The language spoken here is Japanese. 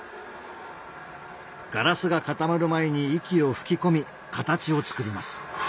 ガラスが固まる前に息を吹き込み形を作ります